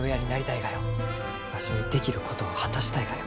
わしにできることを果たしたいがよ。